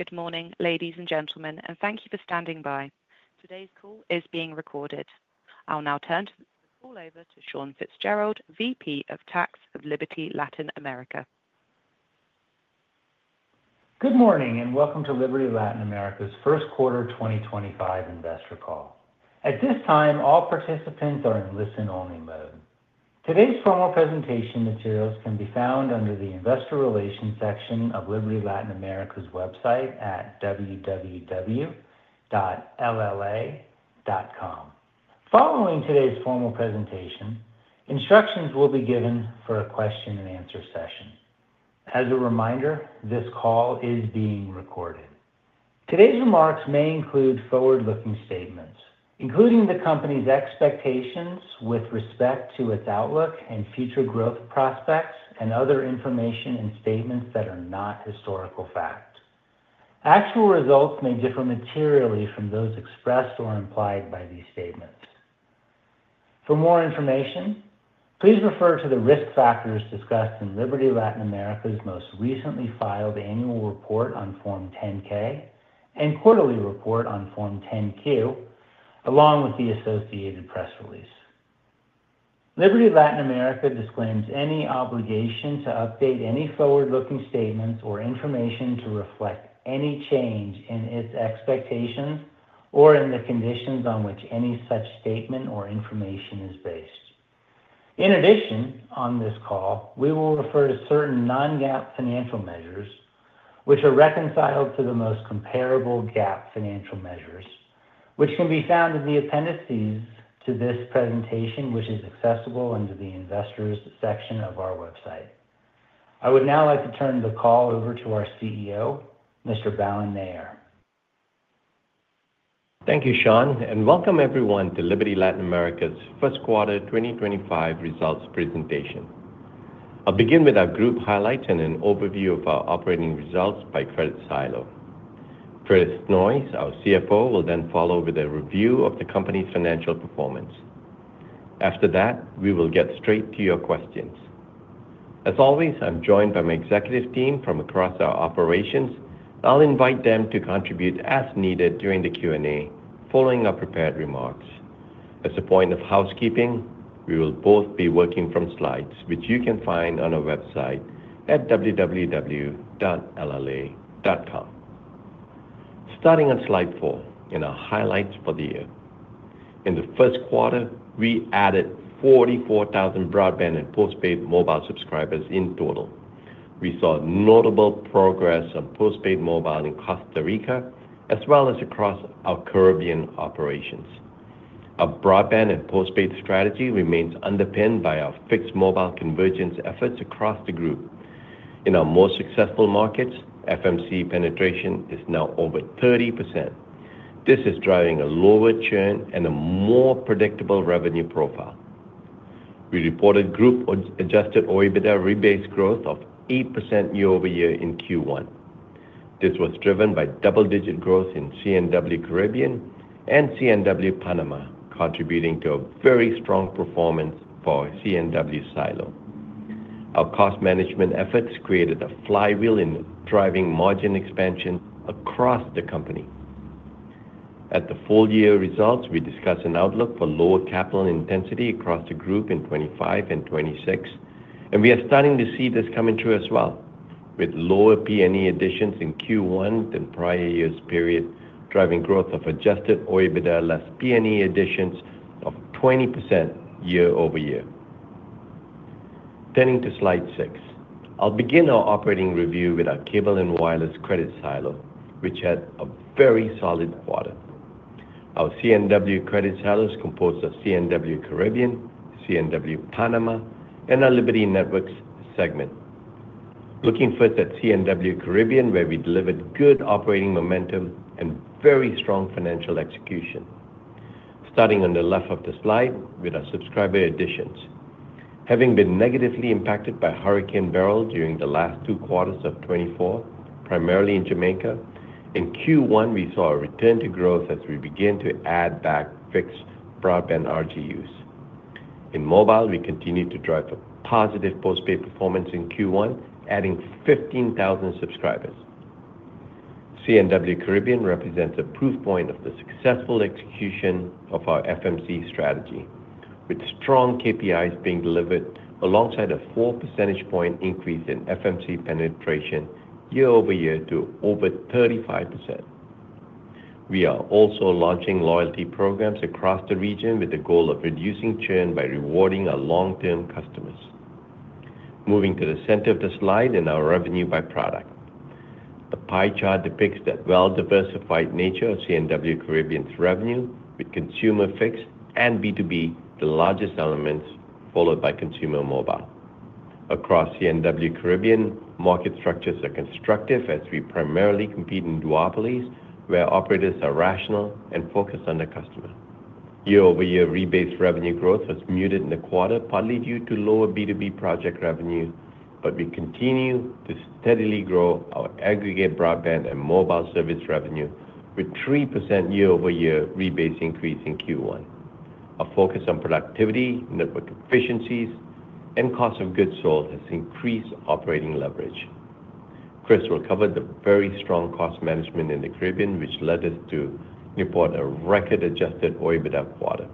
Good morning, ladies and gentlemen, and thank you for standing by. Today's call is being recorded. I'll now turn the call over to Sean Fitzgerald, VP of Tax of Liberty Latin America. Good morning and welcome to Liberty Latin America's first quarter 2025 investor call. At this time, all participants are in listen-only mode. Today's formal presentation materials can be found under the Investor Relations section of Liberty Latin America's website at www. Following today's formal presentation, instructions will be given for a question-and-answer session. As a reminder, this call is being recorded. Today's remarks may include forward-looking statements, including the company's expectations with respect to its outlook and future growth prospects, and other information and statements that are not historical fact. Actual results may differ materially from those expressed or implied by these statements. For more information, please refer to the risk factors discussed in Liberty Latin America's most recently filed annual report on Form 10-K and quarterly report on Form 10-Q, along with the associated press release. Liberty Latin America disclaims any obligation to update any forward-looking statements or information to reflect any change in its expectations or in the conditions on which any such statement or information is based. In addition, on this call, we will refer to certain non-GAAP financial measures, which are reconciled to the most comparable GAAP financial measures, which can be found in the appendices to this presentation, which is accessible under the Investors section of our website. I would now like to turn the call over to our CEO, Mr. Balan Nair. Thank you, Sean, and welcome everyone to Liberty Latin America's first quarter 2025 results presentation. I'll begin with our group highlights and an overview of our operating results by credit silo. Chris Noyes, our CFO, will then follow with a review of the company's financial performance. After that, we will get straight to your questions. As always, I'm joined by my executive team from across our operations, and I'll invite them to contribute as needed during the Q&A following our prepared remarks. As a point of housekeeping, we will both be working from slides, which you can find on our website at www.lla.com. Starting on slide four in our highlights for the year. In the first quarter, we added 44,000 broadband and postpaid mobile subscribers in total. We saw notable progress on postpaid mobile in Costa Rica as well as across our Caribbean operations. Our broadband and postpaid strategy remains underpinned by our fixed mobile convergence efforts across the group. In our most successful markets, FMC penetration is now over 30%. This is driving a lower churn and a more predictable revenue profile. We reported group-adjusted OIBDA rebased growth of 8% year-over-year in Q1. This was driven by double-digit growth in C&W Caribbean and C&W Panama, contributing to a very strong performance for C&W silo. Our cost management efforts created a flywheel in driving margin expansion across the company. At the full-year results, we discussed an outlook for lower capital intensity across the group in 2025 and 2026, and we are starting to see this coming true as well, with lower P&E additions in Q1 than prior years, driving growth of adjusted OIBDA less P&E additions of 20% year-over-year. Turning to slide six, I'll begin our operating review with our Cable & Wireless credit silo, which had a very solid quarter. Our C&W credit silo is composed of C&W Caribbean, C&W Panama, and our Liberty Networks segment. Looking first at C&W Caribbean, where we delivered good operating momentum and very strong financial execution. Starting on the left of the slide with our subscriber additions. Having been negatively impacted by Hurricane Beryl during the last two quarters of 2024, primarily in Jamaica, in Q1, we saw a return to growth as we began to add back fixed broadband RGUs. In mobile, we continued to drive a positive postpaid performance in Q1, adding 15,000 subscribers. C&W Caribbean represents a proof point of the successful execution of our FMC strategy, with strong KPIs being delivered alongside a 4 percentage point increase in FMC penetration year-over-year to over 35%. We are also launching loyalty programs across the region with the goal of reducing churn by rewarding our long-term customers. Moving to the center of the slide in our revenue by product. The pie chart depicts that well-diversified nature of C&W Caribbean's revenue, with consumer fixed and B2B the largest elements, followed by consumer mobile. Across C&W Caribbean, market structures are constructive as we primarily compete in duopolies where operators are rational and focused on the customer. Year-over-year rebased revenue growth has muted in the quarter, partly due to lower B2B project revenue, but we continue to steadily grow our aggregate broadband and mobile service revenue with 3% year-over-year rebased increase in Q1. Our focus on productivity, network efficiencies, and cost of goods sold has increased operating leverage. Chris, we'll cover the very strong cost management in the Caribbean, which led us to report a record-adjusted OIBDA quarter.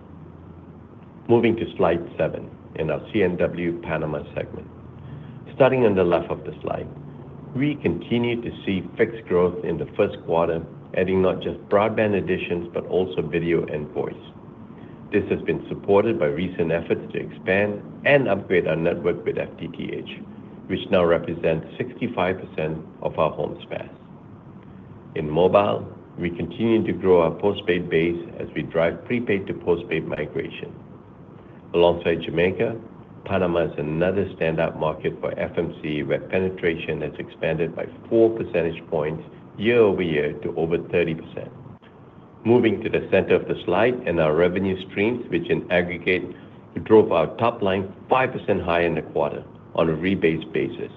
Moving to slide seven in our C&W Panama segment. Starting on the left of the slide, we continue to see fixed growth in the first quarter, adding not just broadband additions but also video and voice. This has been supported by recent efforts to expand and upgrade our network with FTTH, which now represents 65% of our home spares. In mobile, we continue to grow our postpaid base as we drive prepaid to postpaid migration. Alongside Jamaica, Panama is another standout market for FMC where penetration has expanded by 4 percentage points year-over-year to over 30%. Moving to the center of the slide in our revenue streams, which in aggregate drove our top line 5% higher in the quarter on a rebased basis.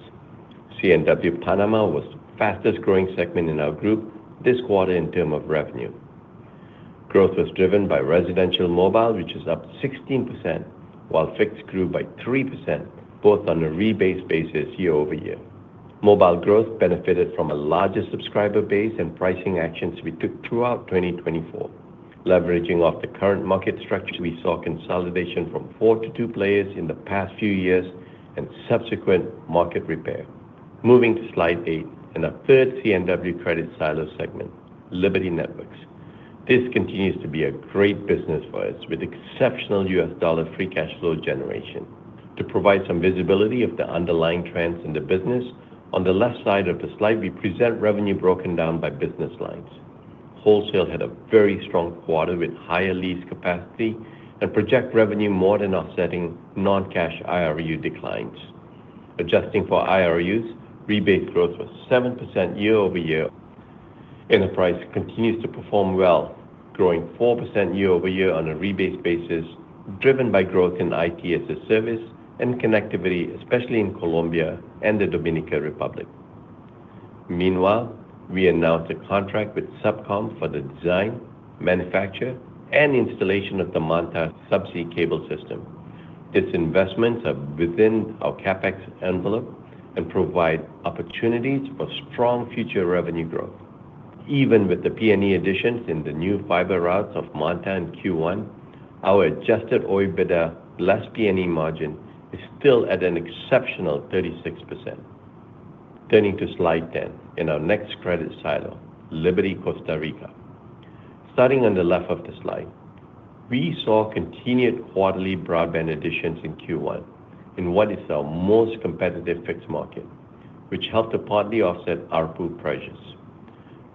C&W Panama was the fastest-growing segment in our group this quarter in terms of revenue. Growth was driven by residential mobile, which is up 16%, while fixed grew by 3%, both on a rebased basis year-over-year. Mobile growth benefited from a larger subscriber base and pricing actions we took throughout 2024. Leveraging off the current market structure, we saw consolidation from four to two players in the past few years and subsequent market repair. Moving to slide eight in our third C&W credit silo segment, Liberty Networks. This continues to be a great business for us with exceptional U.S. dollar free cash flow generation. To provide some visibility of the underlying trends in the business, on the left side of the slide, we present revenue broken down by business lines. Wholesale had a very strong quarter with higher lease capacity and project revenue more than offsetting non-cash IRU declines. Adjusting for IRUs, rebased growth was 7% year-over-year. Enterprise continues to perform well, growing 4% year-over-year on a rebased basis, driven by growth in IT as a service and connectivity, especially in Colombia and the Dominican Republic. Meanwhile, we announced a contract with SubCom for the design, manufacture, and installation of the MANTA subsea cable system. These investments are within our CapEx envelope and provide opportunities for strong future revenue growth. Even with the P&E additions in the new fiber routes of MANTA and Q1, our adjusted OIBDA less P&E margin is still at an exceptional 36%. Turning to slide 10 in our next credit silo, Liberty Costa Rica. Starting on the left of the slide, we saw continued quarterly broadband additions in Q1 in what is our most competitive fixed market, which helped to partly offset ARPU pressures.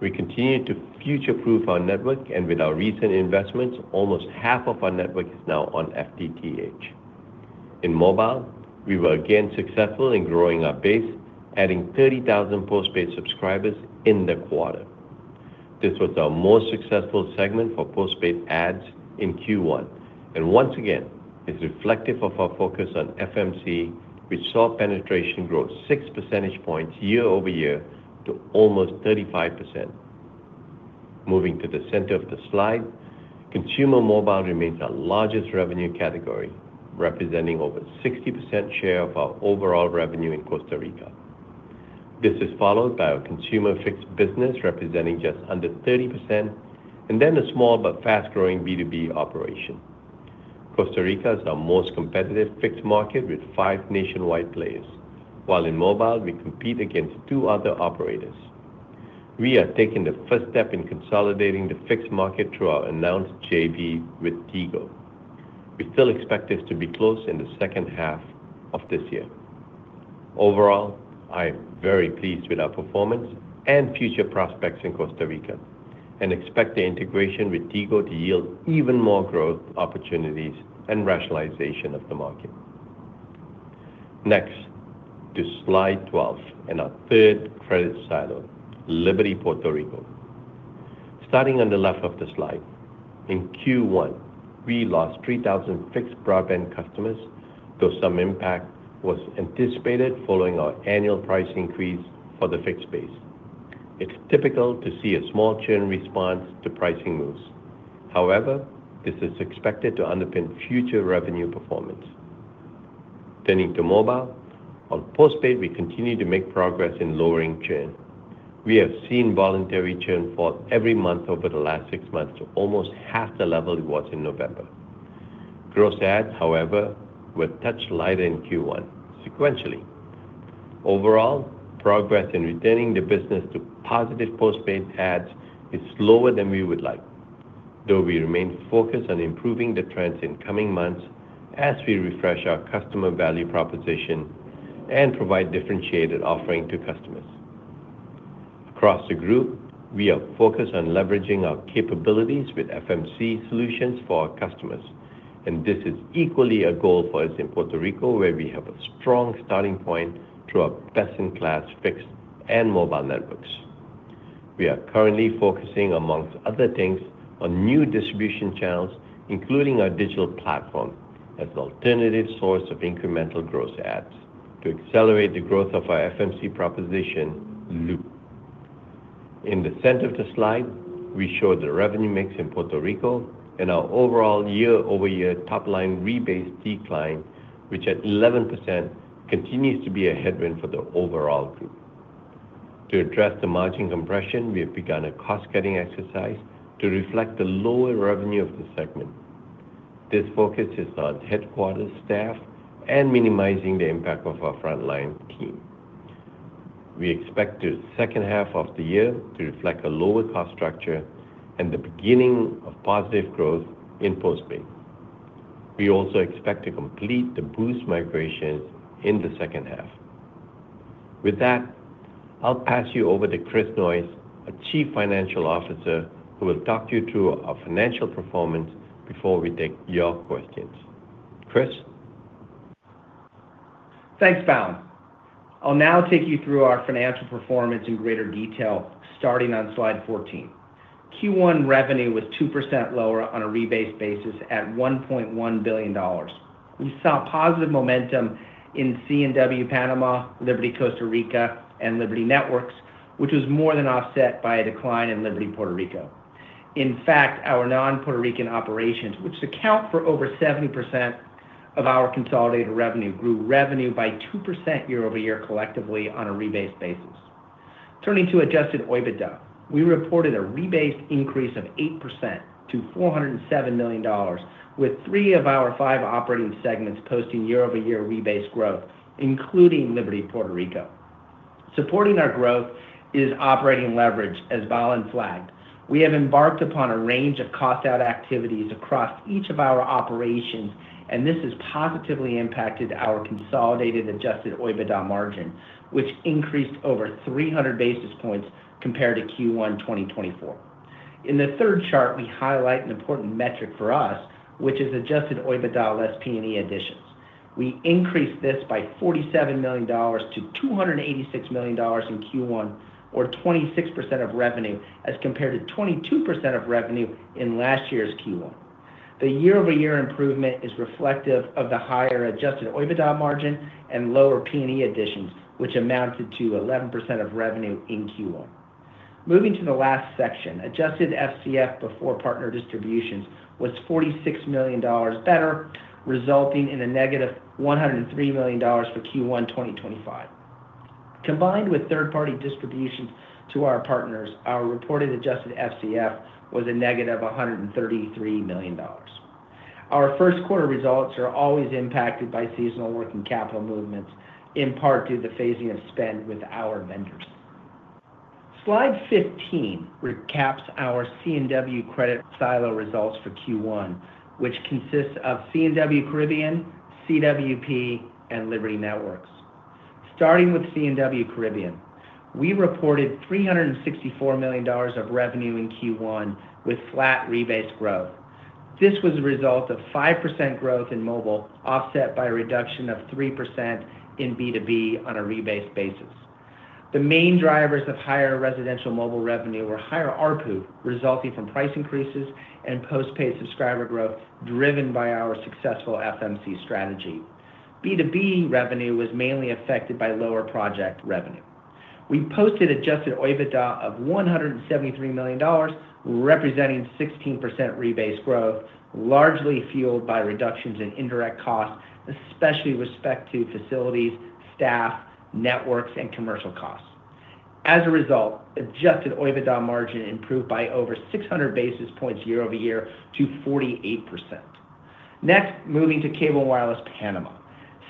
We continued to future-proof our network, and with our recent investments, almost half of our network is now on FTTH. In mobile, we were again successful in growing our base, adding 30,000 postpaid subscribers in the quarter. This was our most successful segment for postpaid ads in Q1, and once again, it's reflective of our focus on FMC, which saw penetration grow 6 percentage points year-over-year to almost 35%. Moving to the center of the slide, consumer mobile remains our largest revenue category, representing over 60% share of our overall revenue in Costa Rica. This is followed by our consumer fixed business, representing just under 30%, and then a small but fast-growing B2B operation. Costa Rica is our most competitive fixed market with five nationwide players, while in mobile, we compete against two other operators. We are taking the first step in consolidating the fixed market through our announced JV with Tigo. We still expect this to be close in the second half of this year. Overall, I am very pleased with our performance and future prospects in Costa Rica and expect the integration with Tigo to yield even more growth opportunities and rationalization of the market. Next, to slide 12 in our third credit silo, Liberty Puerto Rico. Starting on the left of the slide, in Q1, we lost 3,000 fixed broadband customers, though some impact was anticipated following our annual price increase for the fixed base. It's typical to see a small churn response to pricing moves. However, this is expected to underpin future revenue performance. Turning to mobile, on postpaid, we continue to make progress in lowering churn. We have seen voluntary churn fall every month over the last six months to almost half the level it was in November. Gross ads, however, were touched lighter in Q1, sequentially. Overall, progress in returning the business to positive postpaid ads is slower than we would like, though we remain focused on improving the trends in coming months as we refresh our customer value proposition and provide differentiated offering to customers. Across the group, we are focused on leveraging our capabilities with FMC solutions for our customers, and this is equally a goal for us in Puerto Rico, where we have a strong starting point through our best-in-class fixed and mobile networks. We are currently focusing, amongst other things, on new distribution channels, including our digital platform as an alternative source of incremental gross ads to accelerate the growth of our FMC proposition loop. In the center of the slide, we show the revenue mix in Puerto Rico and our overall year-over-year top line rebased decline, which at 11% continues to be a headwind for the overall group. To address the margin compression, we have begun a cost-cutting exercise to reflect the lower revenue of the segment. This focus is on headquarters staff and minimizing the impact of our frontline team. We expect the second half of the year to reflect a lower cost structure and the beginning of positive growth in postpaid. We also expect to complete the Boost migrations in the second half. With that, I'll pass you over to Chris Noyes, our Chief Financial Officer, who will talk you through our financial performance before we take your questions. Chris. Thanks, Balan. I'll now take you through our financial performance in greater detail, starting on slide 14. Q1 revenue was 2% lower on a rebased basis at $1.1 billion. We saw positive momentum in C&W Panama, Liberty Costa Rica, and Liberty Networks, which was more than offset by a decline in Liberty Puerto Rico. In fact, our non-Puerto Rican operations, which account for over 70% of our consolidated revenue, grew revenue by 2% year-over-year collectively on a rebased basis. Turning to adjusted OIBDA, we reported a rebased increase of 8% to $407 million, with three of our five operating segments posting year-over-year rebased growth, including Liberty Puerto Rico. Supporting our growth is operating leverage, as Balan flagged. We have embarked upon a range of cost-out activities across each of our operations, and this has positively impacted our consolidated adjusted OIBDA margin, which increased over 300 basis points compared to Q1 2024. In the third chart, we highlight an important metric for us, which is adjusted OIBDA less P&E additions. We increased this by $47 million to $286 million in Q1, or 26% of revenue as compared to 22% of revenue in last year's Q1. The year-over-year improvement is reflective of the higher adjusted OIBDA margin and lower P&E additions, which amounted to 11% of revenue in Q1. Moving to the last section, adjusted FCF before partner distributions was $46 million better, resulting in a -$103 million for Q1 2025. Combined with third-party distributions to our partners, our reported adjusted FCF was a -$133 million. Our first quarter results are always impacted by seasonal working capital movements, in part due to the phasing of spend with our vendors. Slide 15 recaps our C&W credit silo results for Q1, which consists of C&W Caribbean, C&W Panama, and Liberty Networks. Starting with C&W Caribbean, we reported $364 million of revenue in Q1 with flat rebased growth. This was a result of 5% growth in mobile, offset by a reduction of 3% in B2B on a rebased basis. The main drivers of higher residential mobile revenue were higher ARPU, resulting from price increases and postpaid subscriber growth driven by our successful FMC strategy. B2B revenue was mainly affected by lower project revenue. We posted adjusted OIBDA of $173 million, representing 16% rebased growth, largely fueled by reductions in indirect costs, especially with respect to facilities, staff, networks, and commercial costs. As a result, adjusted OIBDA margin improved by over 600 basis points year-over-year to 48%. Next, moving to Cable & Wireless Panama,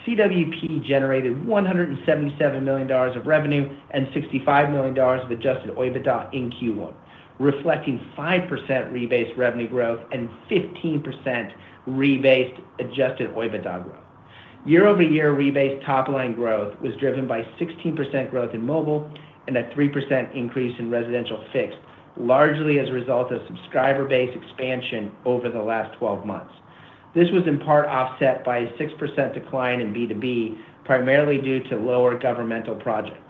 CWP generated $177 million of revenue and $65 million of adjusted OIBDA in Q1, reflecting 5% rebased revenue growth and 15% rebased adjusted OIBDA growth. Year-over-year rebased top line growth was driven by 16% growth in mobile and a 3% increase in residential fixed, largely as a result of subscriber base expansion over the last 12 months. This was in part offset by a 6% decline in B2B, primarily due to lower governmental projects.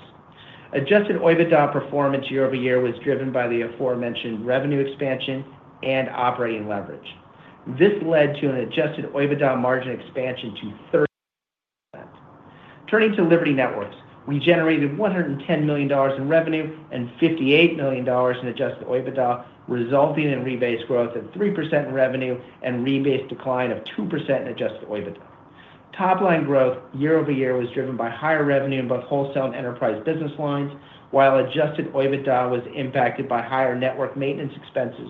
Adjusted OIBDA performance year-over-year was driven by the aforementioned revenue expansion and operating leverage. This led to an adjusted OIBDA margin expansion to 30%. Turning to Liberty Networks, we generated $110 million in revenue and $58 million in adjusted OIBDA, resulting in rebased growth of 3% in revenue and rebased decline of 2% in adjusted OIBDA. Top line growth year-over-year was driven by higher revenue in both wholesale and enterprise business lines, while adjusted OIBDA was impacted by higher network maintenance expenses,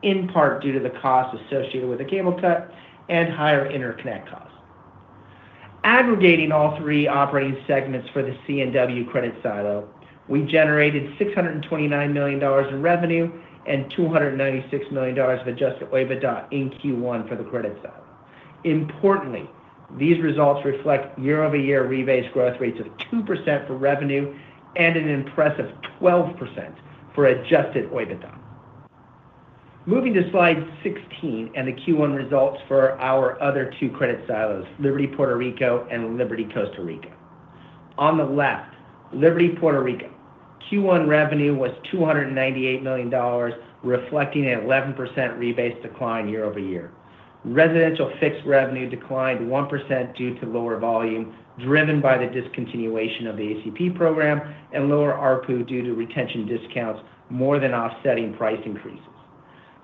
in part due to the cost associated with a cable cut and higher interconnect costs. Aggregating all three operating segments for the C&W credit silo, we generated $629 million in revenue and $296 million of adjusted OIBDA in Q1 for the credit silo. Importantly, these results reflect year-over-year rebased growth rates of 2% for revenue and an impressive 12% for adjusted OIBDA. Moving to slide 16 in the Q1 results for our other two credit silos, Liberty Puerto Rico and Liberty Costa Rica. On the left, Liberty Puerto Rico. Q1 revenue was $298 million, reflecting an 11% rebased decline year-over-year. Residential fixed revenue declined 1% due to lower volume, driven by the discontinuation of the ACP program and lower ARPU due to retention discounts, more than offsetting price increases.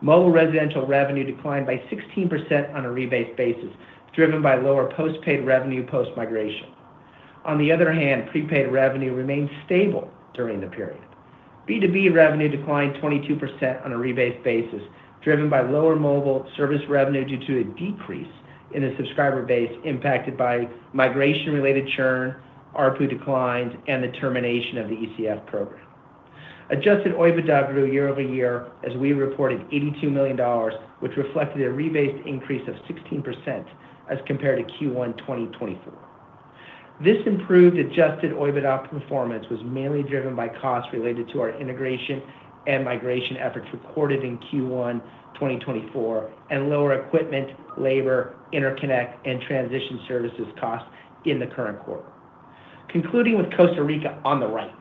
Mobile residential revenue declined by 16% on a rebased basis, driven by lower postpaid revenue post-migration. On the other hand, prepaid revenue remained stable during the period. B2B revenue declined 22% on a rebased basis, driven by lower mobile service revenue due to a decrease in the subscriber base impacted by migration-related churn, ARPU declines, and the termination of the ECF program. Adjusted OIBDA grew year-over-year as we reported $82 million, which reflected a rebased increase of 16% as compared to Q1 2024. This improved adjusted OIBDA performance was mainly driven by costs related to our integration and migration efforts recorded in Q1 2024 and lower equipment, labor, interconnect, and transition services costs in the current quarter. Concluding with Costa Rica on the right,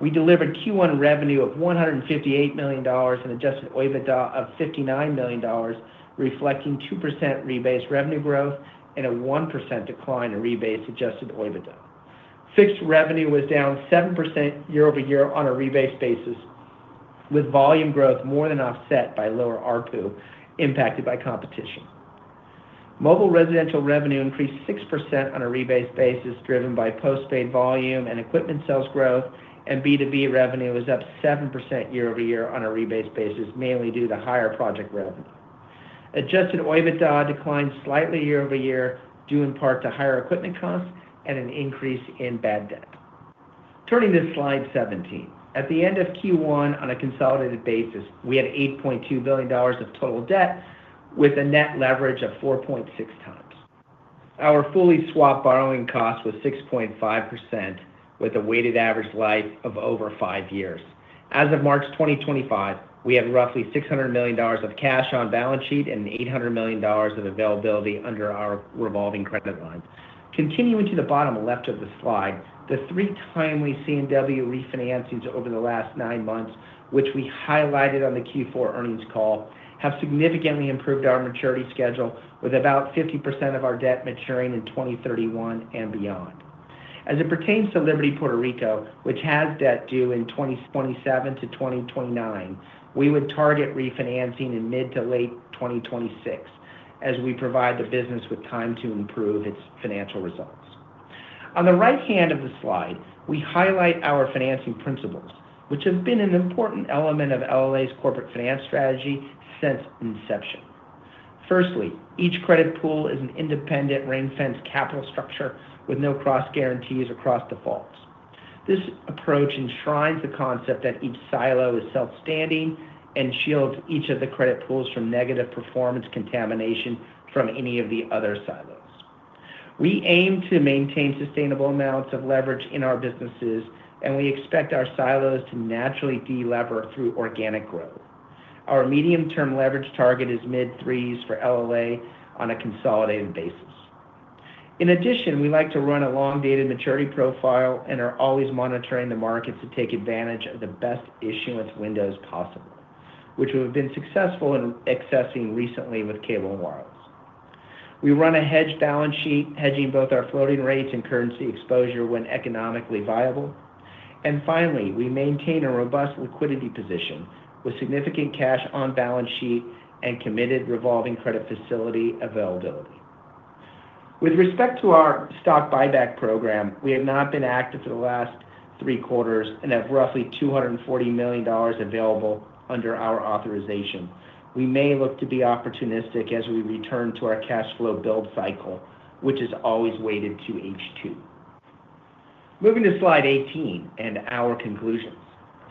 we delivered Q1 revenue of $158 million and adjusted OIBDA of $59 million, reflecting 2% rebased revenue growth and a 1% decline in rebased adjusted OIBDA. Fixed revenue was down 7% year-over-year on a rebased basis, with volume growth more than offset by lower ARPU impacted by competition. Mobile residential revenue increased 6% on a rebased basis, driven by postpaid volume and equipment sales growth, and B2B revenue was up 7% year-over-year on a rebased basis, mainly due to higher project revenue. Adjusted OIBDA declined slightly year-over-year due in part to higher equipment costs and an increase in bad debt. Turning to slide 17, at the end of Q1 on a consolidated basis, we had $8.2 billion of total debt with a net leverage of 4.6x. Our fully swap borrowing cost was 6.5%, with a weighted average life of over five years. As of March 2025, we have roughly $600 million of cash on balance sheet and $800 million of availability under our revolving credit line. Continuing to the bottom left of the slide, the three timely C&W refinancings over the last nine months, which we highlighted on the Q4 earnings call, have significantly improved our maturity schedule, with about 50% of our debt maturing in 2031 and beyond. As it pertains to Liberty Puerto Rico, which has debt due in 2027 to 2029, we would target refinancing in mid to late 2026, as we provide the business with time to improve its financial results. On the right hand of the slide, we highlight our financing principles, which have been an important element of LLA's corporate finance strategy since inception. Firstly, each credit pool is an independent ring-fenced capital structure with no cross-guarantees or cross-defaults. This approach enshrines the concept that each silo is self-standing and shields each of the credit pools from negative performance contamination from any of the other silos. We aim to maintain sustainable amounts of leverage in our businesses, and we expect our silos to naturally delever through organic growth. Our medium-term leverage target is mid-threes for LLA on a consolidated basis. In addition, we like to run a long-dated maturity profile and are always monitoring the markets to take advantage of the best issuance windows possible, which we have been successful in accessing recently with Cable & Wireless. We run a hedged balance sheet, hedging both our floating rates and currency exposure when economically viable. Finally, we maintain a robust liquidity position with significant cash on balance sheet and committed revolving credit facility availability. With respect to our stock buyback program, we have not been active for the last three quarters and have roughly $240 million available under our authorization. We may look to be opportunistic as we return to our cash flow build cycle, which is always weighted to H2. Moving to slide 18 and our conclusions.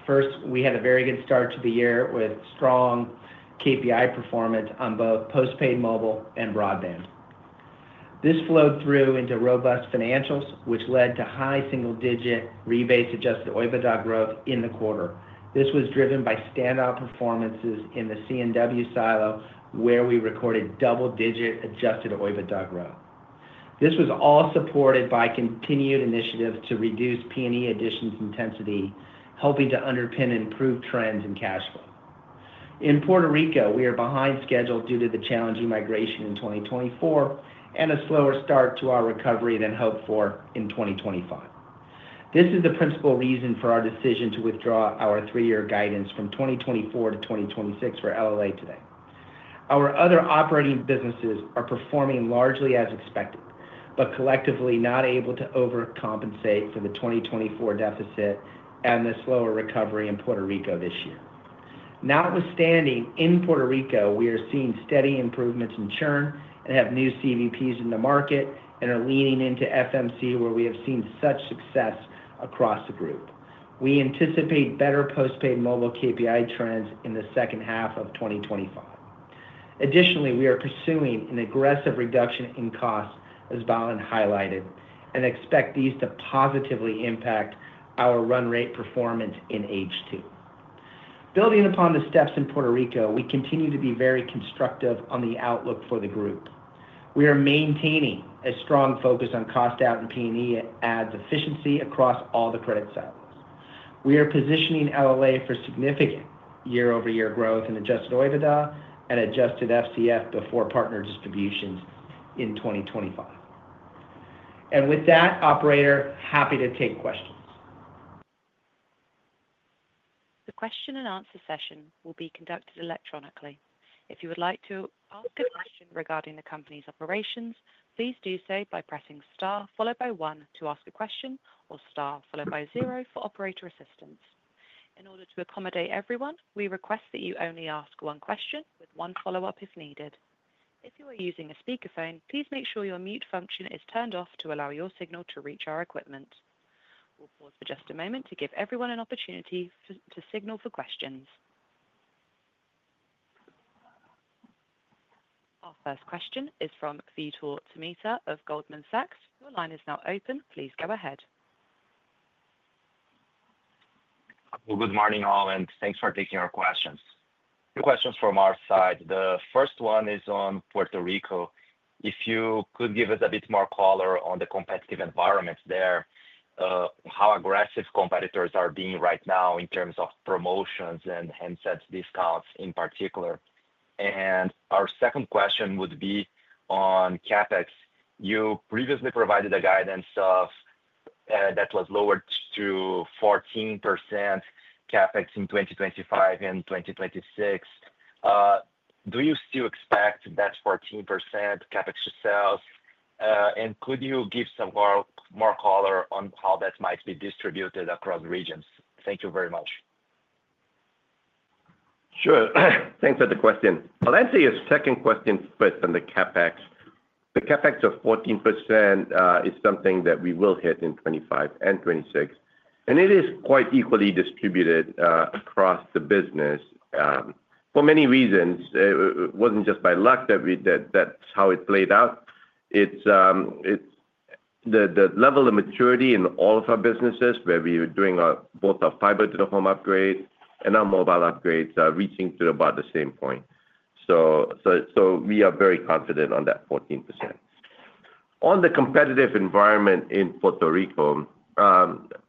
First, we had a very good start to the year with strong KPI performance on both postpaid mobile and broadband. This flowed through into robust financials, which led to high single-digit rebased adjusted OIBDA growth in the quarter. This was driven by standout performances in the C&W silo, where we recorded double-digit adjusted OIBDA growth. This was all supported by continued initiatives to reduce P&E additions intensity, helping to underpin improved trends in cash flow. In Puerto Rico, we are behind schedule due to the challenging migration in 2024 and a slower start to our recovery than hoped for in 2025. This is the principal reason for our decision to withdraw our three-year guidance from 2024 to 2026 for Liberty Latin America today. Our other operating businesses are performing largely as expected, but collectively not able to overcompensate for the 2024 deficit and the slower recovery in Puerto Rico this year. Notwithstanding, in Puerto Rico, we are seeing steady improvements in churn and have new CVPs in the market and are leaning into FMC, where we have seen such success across the group. We anticipate better postpaid mobile KPI trends in the second half of 2025. Additionally, we are pursuing an aggressive reduction in costs, as Balan highlighted, and expect these to positively impact our run rate performance in H2. Building upon the steps in Puerto Rico, we continue to be very constructive on the outlook for the group. We are maintaining a strong focus on cost out and P&E adds efficiency across all the credit silos. We are positioning LLA for significant year-over-year growth in adjusted OIBDA and adjusted FCF before partner distributions in 2025. With that, operator, happy to take questions. The question and answer session will be conducted electronically. If you would like to ask a question regarding the company's operations, please do so by pressing star followed by one to ask a question or star followed by zero for operator assistance. In order to accommodate everyone, we request that you only ask one question with one follow-up if needed. If you are using a speakerphone, please make sure your mute function is turned off to allow your signal to reach our equipment. We'll pause for just a moment to give everyone an opportunity to signal for questions. Our first question is from Vitor Tomita of Goldman Sachs. Your line is now open. Please go ahead. Good morning, all, and thanks for taking our questions. Two questions from our side. The first one is on Puerto Rico. If you could give us a bit more color on the competitive environment there, how aggressive competitors are being right now in terms of promotions and handsets discounts in particular. Our second question would be on CapEx. You previously provided a guidance that was lowered to 14% CapEx in 2025 and 2026. Do you still expect that 14% CapEx to sales? Could you give some more color on how that might be distributed across regions? Thank you very much. Sure. Thanks for the question. I'll answer your second question first on the CapEx. The CapEx of 14% is something that we will hit in 2025 and 2026, and it is quite equally distributed across the business for many reasons. It was not just by luck that that is how it played out. The level of maturity in all of our businesses, where we were doing both our fiber to the home upgrades and our mobile upgrades, are reaching to about the same point. We are very confident on that 14%. On the competitive environment in Puerto Rico,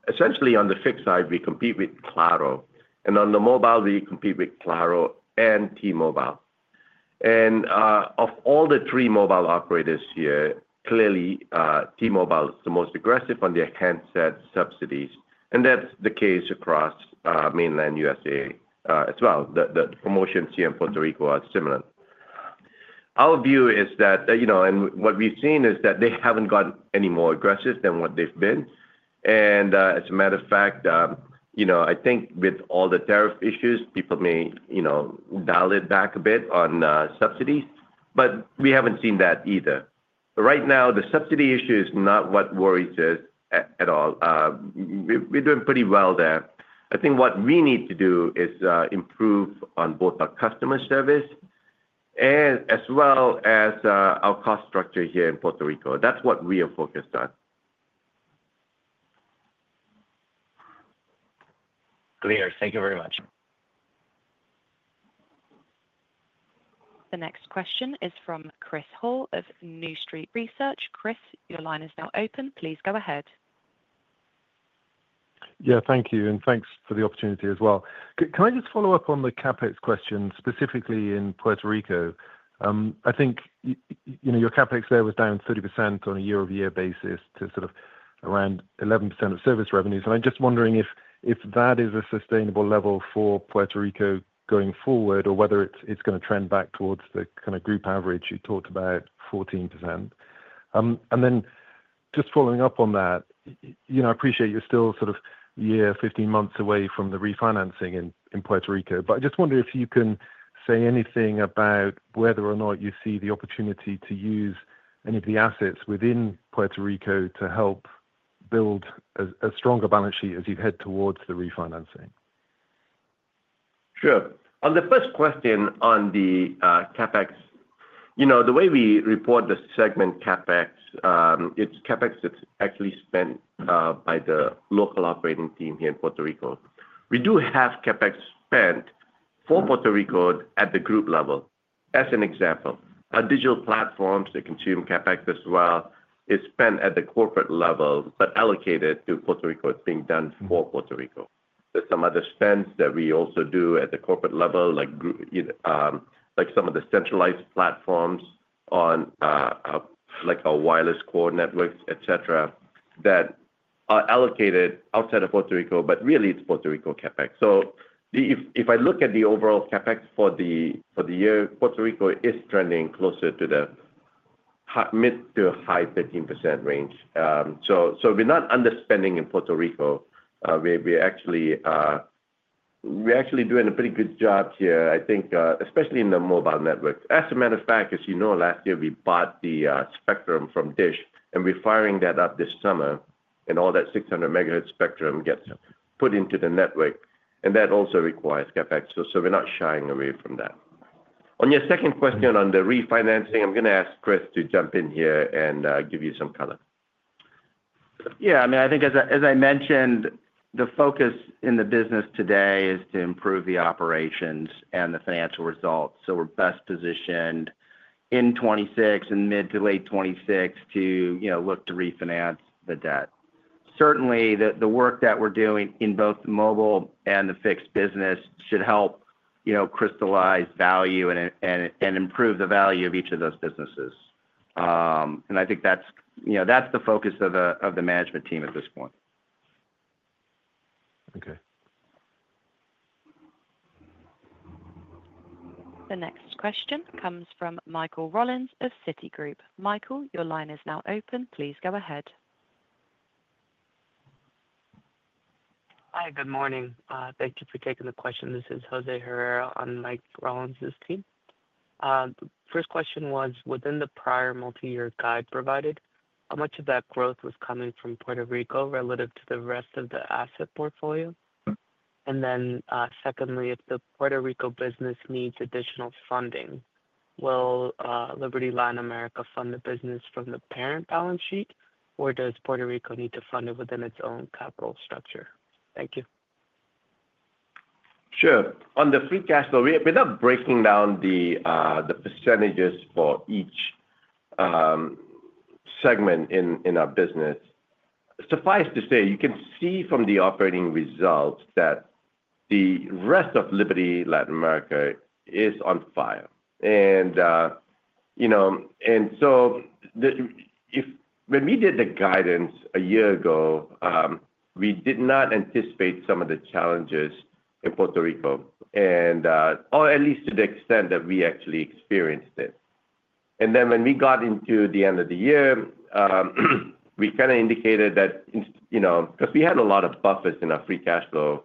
essentially on the fixed side, we compete with Claro, and on the mobile, we compete with Claro and T-Mobile. Of all the three mobile operators here, clearly T-Mobile is the most aggressive on their handset subsidies, and that's the case across mainland U.S. as well. The promotions here in Puerto Rico are similar. Our view is that, and what we've seen is that they haven't gotten any more aggressive than what they've been. As a matter of fact, I think with all the tariff issues, people may dial it back a bit on subsidies, but we haven't seen that either. Right now, the subsidy issue is not what worries us at all. We're doing pretty well there. I think what we need to do is improve on both our customer service and as well as our cost structure here in Puerto Rico. That's what we are focused on. Clear. Thank you very much. The next question is from Chris Hoare of New Street Research. Yeah, thank you, and thanks for the opportunity as well. Can I just follow up on the CapEx question, specifically in Puerto Rico? I think your CapEx there was down 30% on a year-over-year basis to sort of around 11% of service revenues. I'm just wondering if that is a sustainable level for Puerto Rico going forward, or whether it's going to trend back towards the kind of group average you talked about, 14%. Then just following up on that, I appreciate you're still sort of 15 months away from the refinancing in Puerto Rico, but I just wonder if you can say anything about whether or not you see the opportunity to use any of the assets within Puerto Rico to help build a stronger balance sheet as you head towards the refinancing. Sure. On the first question on the CapEx, the way we report the segment CapEx, it's CapEx that's actually spent by the local operating team here in Puerto Rico. We do have CapEx spent for Puerto Rico at the group level, as an example. Our digital platforms, they consume CapEx as well. It's spent at the corporate level, but allocated to Puerto Rico. It's being done for Puerto Rico. There's some other spends that we also do at the corporate level, like some of the centralized platforms on our wireless core networks, etc., that are allocated outside of Puerto Rico, but really it's Puerto Rico CapEx. If I look at the overall CapEx for the year, Puerto Rico is trending closer to the mid to high 13% range. We're not under spending in Puerto Rico. We're actually doing a pretty good job here, I think, especially in the mobile network. As a matter of fact, as you know, last year we bought the spectrum from DISH, and we're firing that up this summer, and all that 600 MHz spectrum gets put into the network, and that also requires CapEx. We're not shying away from that. On your second question on the refinancing, I'm going to ask Chris to jump in here and give you some color. Yeah, I mean, I think as I mentioned, the focus in the business today is to improve the operations and the financial results. We're best positioned in 2026 and mid to late 2026 to look to refinance the debt. Certainly, the work that we're doing in both the mobile and the fixed business should help crystallize value and improve the value of each of those businesses. I think that's the focus of the management team at this point. Okay. The next question comes from Michael Rollins of Citigroup. Michael, your line is now open. Please go ahead. Hi, good morning. Thank you for taking the question. This is Jose Herrera on Mike Rollins' team. First question was, within the prior multi-year guide provided, how much of that growth was coming from Puerto Rico relative to the rest of the asset portfolio? And then secondly, if the Puerto Rico business needs additional funding, will Liberty Latin America fund the business from the parent balance sheet, or does Puerto Rico need to fund it within its own capital structure? Thank you. Sure. On the free cash flow, without breaking down the percentages for each segment in our business, suffice to say, you can see from the operating results that the rest of Liberty Latin America is on fire. When we did the guidance a year ago, we did not anticipate some of the challenges in Puerto Rico, or at least to the extent that we actually experienced it. When we got into the end of the year, we kind of indicated that because we had a lot of buffers in our free cash flow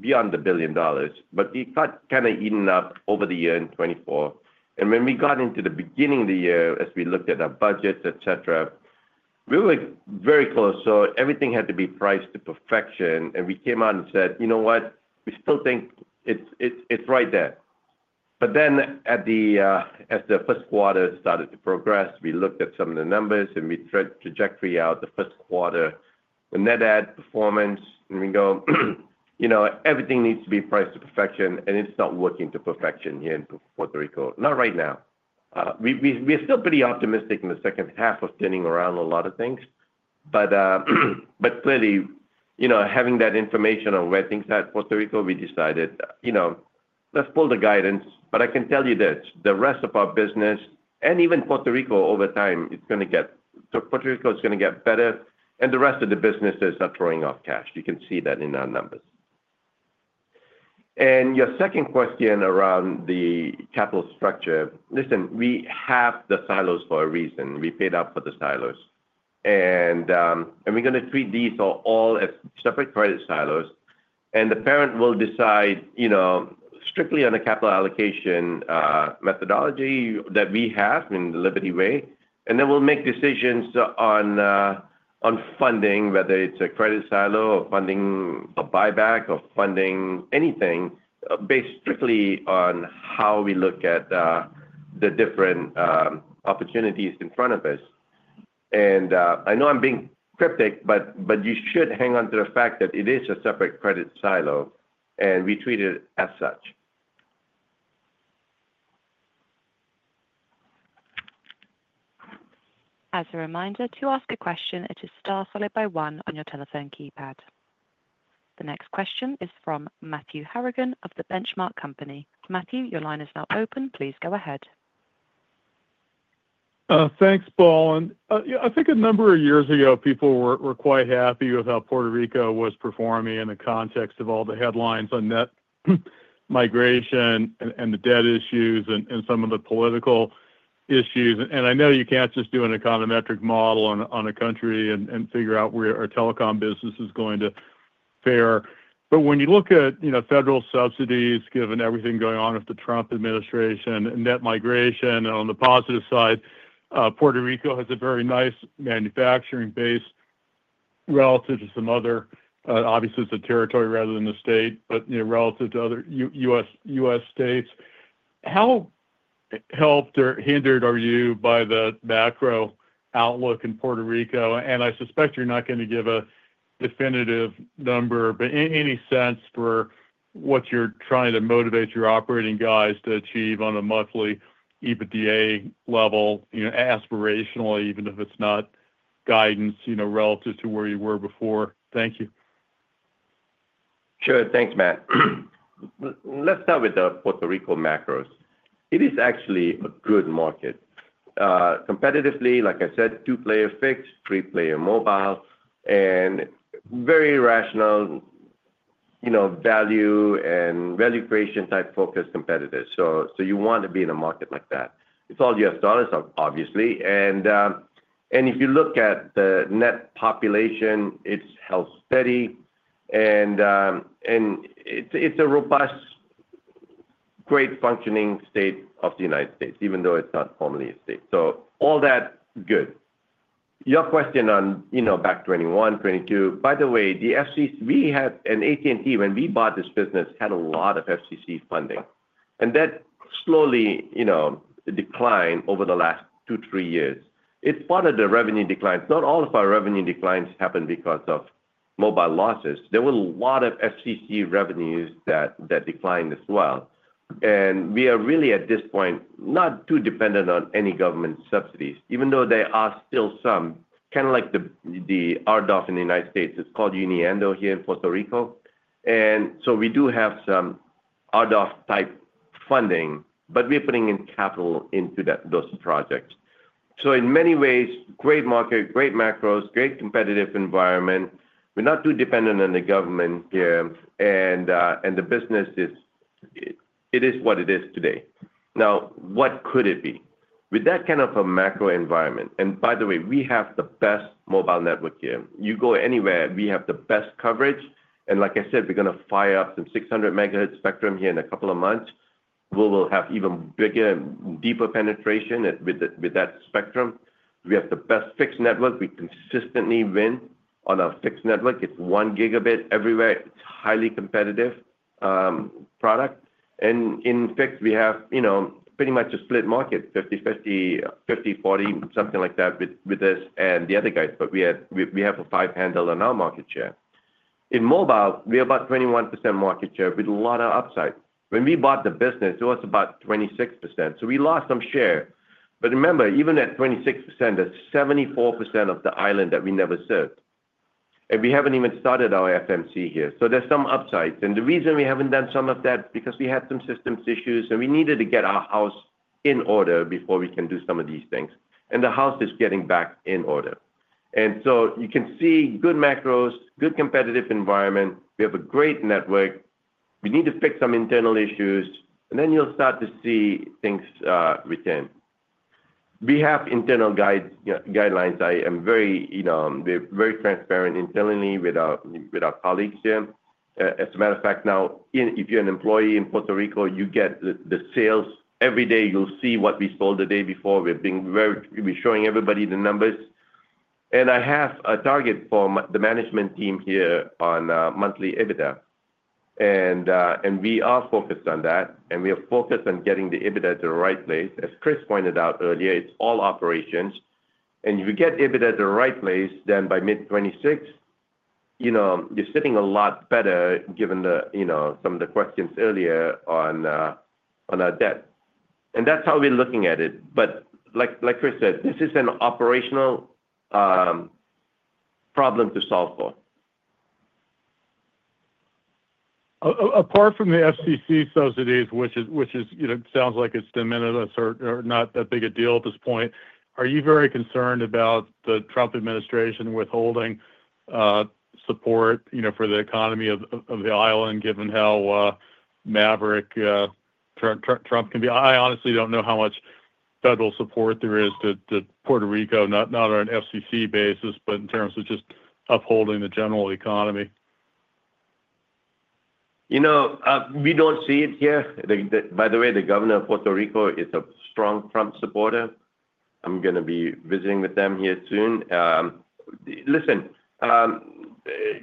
beyond the billion dollars, but we got kind of eaten up over the year in 2024. When we got into the beginning of the year, as we looked at our budgets, etc., we were very close. Everything had to be priced to perfection, and we came out and said, "You know what? We still think it's right there. As the first quarter started to progress, we looked at some of the numbers and we tracked trajectory out the first quarter, the net add performance, and we go, "Everything needs to be priced to perfection, and it's not working to perfection here in Puerto Rico. Not right now." We're still pretty optimistic in the second half of turning around a lot of things, but clearly, having that information on where things are in Puerto Rico, we decided, "Let's pull the guidance." I can tell you this, the rest of our business, and even Puerto Rico over time, is going to get better, and the rest of the businesses are throwing off cash. You can see that in our numbers. Your second question around the capital structure, listen, we have the silos for a reason. We paid up for the silos, and we are going to treat these all as separate credit silos, and the parent will decide strictly on a capital allocation methodology that we have in the Liberty way, and then we will make decisions on funding, whether it is a credit silo or funding a buyback or funding anything based strictly on how we look at the different opportunities in front of us. I know I am being cryptic, but you should hang on to the fact that it is a separate credit silo, and we treat it as such. As a reminder, to ask a question, it is star followed by one on your telephone keypad. The next question is from Matthew Harrigan of The Benchmark Company. Matthew, your line is now open. Please go ahead. Thanks, Balan. I think a number of years ago, people were quite happy with how Puerto Rico was performing in the context of all the headlines on net migration and the debt issues and some of the political issues. I know you can't just do an econometric model on a country and figure out where our telecom business is going to fare. When you look at federal subsidies, given everything going on with the Trump administration and net migration, and on the positive side, Puerto Rico has a very nice manufacturing base relative to some other, obviously, it's a territory rather than a state, but relative to other U.S. states. How helped or hindered are you by the macro outlook in Puerto Rico? I suspect you're not going to give a definitive number, but any sense for what you're trying to motivate your operating guys to achieve on a monthly EBITDA level, aspirationally, even if it's not guidance relative to where you were before? Thank you. Sure. Thanks, Matt. Let's start with the Puerto Rico macros. It is actually a good market. Competitively, like I said, two-player fixed, three-player mobile, and very rational value and value creation type focus competitors. You want to be in a market like that. It's all U.S. dollars, obviously. If you look at the net population, it's held steady, and it's a robust, great functioning state of the United States, even though it's not formally a state. All that good. Your question on back 2021, 2022, by the way, the FCC, we had an AT&T when we bought this business, had a lot of FCC funding, and that slowly declined over the last two, three years. It is part of the revenue declines. Not all of our revenue declines happened because of mobile losses. There were a lot of FCC revenues that declined as well. We are really, at this point, not too dependent on any government subsidies, even though there are still some, kind of like the RDOF in the United States. It is called Uniendo here in Puerto Rico. We do have some RDOF type funding, but we are putting in capital into those projects. In many ways, great market, great macros, great competitive environment. We are not too dependent on the government here, and the business, it is what it is today. Now, what could it be? With that kind of a macro environment, and by the way, we have the best mobile network here. You go anywhere, we have the best coverage. Like I said, we're going to fire up some 600 MHz spectrum here in a couple of months. We will have even bigger and deeper penetration with that spectrum. We have the best fixed network. We consistently win on our fixed network. It's 1 Gb everywhere. It's a highly competitive product. In fixed, we have pretty much a split market, 50/50, 50/40, something like that with us and the other guys, but we have a five-handle on our market share. In mobile, we have about 21% market share with a lot of upside. When we bought the business, it was about 26%. We lost some share. Remember, even at 26%, there's 74% of the island that we never served. We have not even started our FMC here. There is some upside. The reason we have not done some of that is because we had some systems issues, and we needed to get our house in order before we can do some of these things. The house is getting back in order. You can see good macros, good competitive environment. We have a great network. We need to fix some internal issues, and then you will start to see things return. We have internal guidelines. I am very transparent internally with our colleagues here. As a matter of fact, now, if you are an employee in Puerto Rico, you get the sales every day. You will see what we sold the day before. We are showing everybody the numbers. I have a target for the management team here on monthly EBITDA. We are focused on that, and we are focused on getting the EBITDA to the right place. As Chris pointed out earlier, it's all operations. If you get EBITDA to the right place, then by mid-2026, you're sitting a lot better given some of the questions earlier on our debt. That's how we're looking at it. Like Chris said, this is an operational problem to solve for. Apart from the FCC subsidies, which sounds like it's de minimis or not that big a deal at this point, are you very concerned about the Trump administration withholding support for the economy of the island, given how maverick Trump can be? I honestly don't know how much federal support there is to Puerto Rico, not on an FCC basis, but in terms of just upholding the general economy. We don't see it here. By the way, the governor of Puerto Rico is a strong Trump supporter. I'm going to be visiting with them here soon. Listen,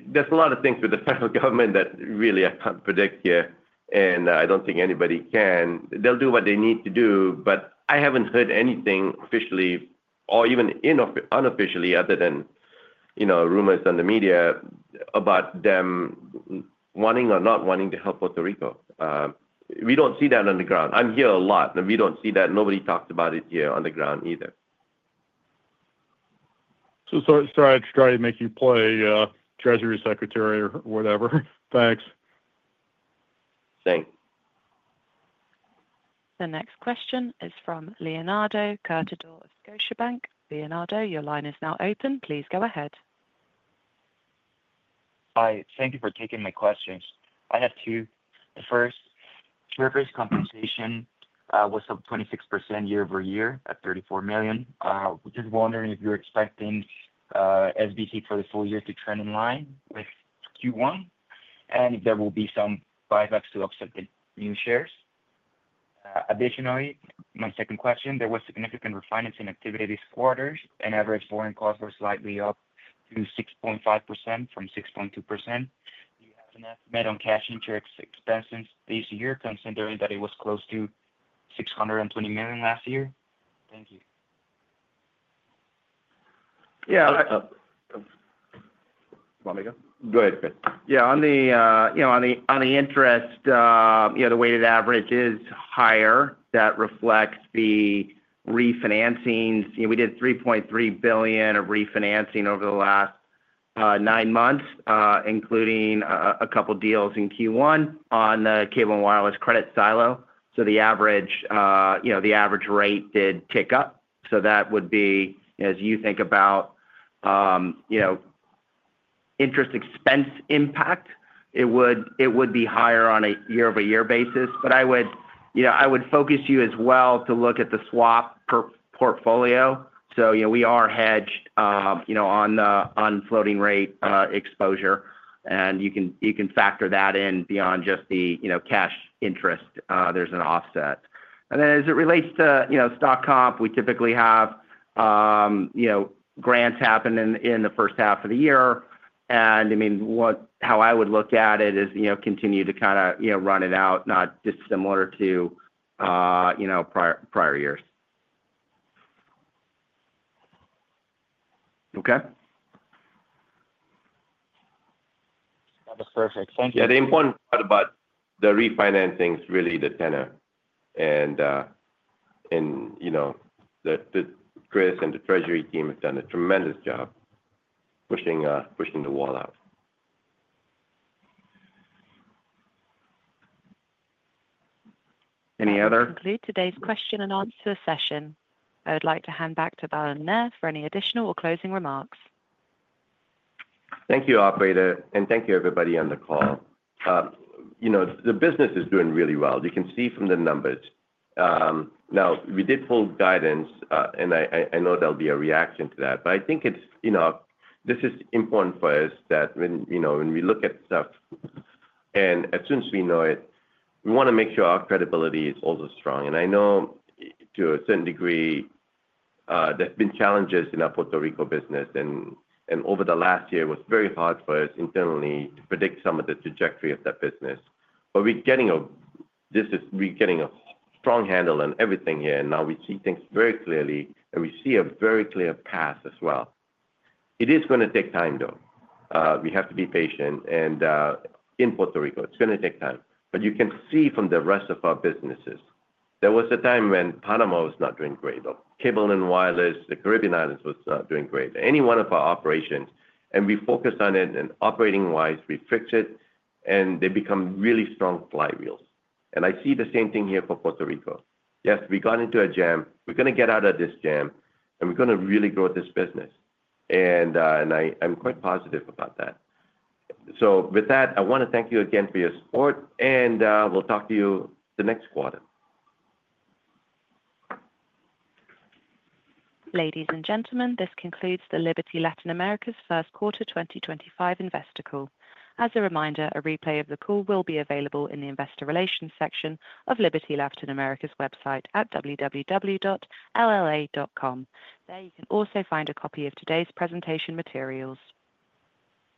there's a lot of things with the federal government that really I can't predict here, and I don't think anybody can. They'll do what they need to do, but I haven't heard anything officially or even unofficially other than rumors in the media about them wanting or not wanting to help Puerto Rico. We don't see that on the ground. I'm here a lot, and we don't see that. Nobody talks about it here on the ground either. Sorry to make you play Treasury Secretary or whatever. Thanks. Thanks. The next question is from Leonardo Curtidor of Scotiabank. Leonardo, your line is now open. Please go ahead. Hi. Thank you for taking my questions. I have two. The first, service compensation was up 26% year over year at $34 million. Just wondering if you're expecting SBC for the full year to trend in line with Q1 and if there will be some buybacks to upsell the new shares. Additionally, my second question, there was significant refinancing activity this quarter, and average borrowing costs were slightly up to 6.5% from 6.2%. Do you have an estimate on cash interest expenses this year considering that it was close to $620 million last year? Thank you. Yeah. Go ahead, Chris. Yeah. On the interest, the weighted average is higher. That reflects the refinancings. We did $3.3 billion of refinancing over the last nine months, including a couple of deals in Q1 on the Cable & Wireless credit silo. So the average rate did tick up. That would be, as you think about interest expense impact, it would be higher on a year-over-year basis. I would focus you as well to look at the swap portfolio. We are hedged on floating rate exposure, and you can factor that in beyond just the cash interest. There is an offset. As it relates to stock comp, we typically have grants happen in the first half of the year. I mean, how I would look at it is continue to kind of run it out, not dissimilar to prior years. Okay. That was perfect. Thank you. The important part about the refinancing is really the tenor. Chris and the Treasury team have done a tremendous job pushing the wall out. Any other? That concludes today's question and answer session. I would like to hand back to Balan Nair for any additional or closing remarks. Thank you, Operator, and thank you, everybody, on the call. The business is doing really well. You can see from the numbers. Now, we did pull guidance, and I know there'll be a reaction to that, but I think this is important for us that when we look at stuff and as soon as we know it, we want to make sure our credibility is also strong. I know to a certain degree, there have been challenges in our Puerto Rico business, and over the last year, it was very hard for us internally to predict some of the trajectory of that business. We are getting a strong handle on everything here, and now we see things very clearly, and we see a very clear path as well. It is going to take time, though. We have to be patient, and in Puerto Rico, it's going to take time. You can see from the rest of our businesses, there was a time when Panama was not doing great, or Cable & Wireless, the Caribbean Islands, was not doing great. Any one of our operations, and we focused on it, and operating-wise, we fixed it, and they became really strong flywheels. I see the same thing here for Puerto Rico. Yes, we got into a jam. We're going to get out of this jam, and we're going to really grow this business. I'm quite positive about that. With that, I want to thank you again for your support, and we'll talk to you the next quarter. Ladies and gentlemen, this concludes the Liberty Latin America's First Quarter 2025 Investor Call. As a reminder, a replay of the call will be available in the Investor Relations section of Liberty Latin America's website at www.lla.com. There you can also find a copy of today's presentation materials.